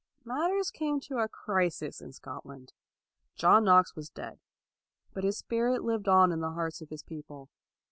1 Matters came to a crisis in Scotland. John Knox was dead, but his spirit lived in the hearts of his people.